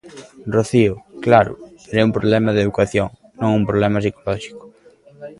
Rocío: Claro, pero é un problema de educación, non un problema psicolóxico.